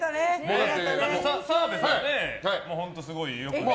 澤部さん、本当すごいよく。